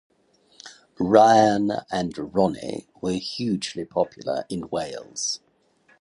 Ryan and Ronnie were hugely popular in Wales.